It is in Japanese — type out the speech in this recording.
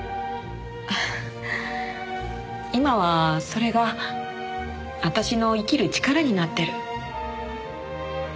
今はそれが私の生きる力になってる。